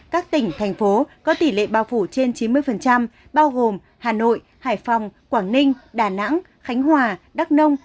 các tỉnh thành phố có tỷ lệ bao phủ trên chín mươi bao gồm hà nội hải phòng quảng ninh đà nẵng khánh hòa đắk nông